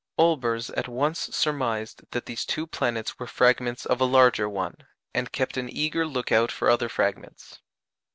Olbers at once surmised that these two planets were fragments of a larger one, and kept an eager look out for other fragments.